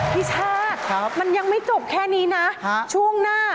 พี่ชาติมันยังไม่จบแค่นี้นะช่วงหน้า